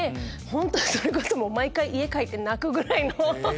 本当にそれこそ毎回家帰って泣くぐらいの。